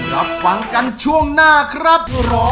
รับฟังกันช่วงหน้าครับ